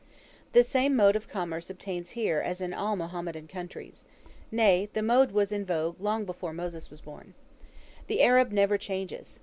The same mode of commerce obtains here as in all Mohammedan countries nay, the mode was in vogue long before Moses was born. The Arab never changes.